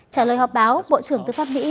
trả lời họp báo bộ trưởng tư pháp mỹ